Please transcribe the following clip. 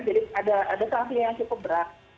jadi ada kelasnya yang cukup berat